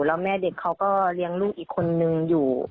แล้วแม่เด็กเขาก็เลี้ยงลูกอีกคนนึงอยู่